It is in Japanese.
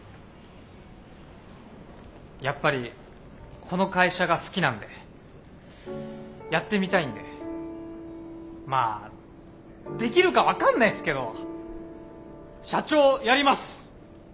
やっぱりこの会社が好きなんでやってみたいんでまあできるか分かんないすけど社長やります！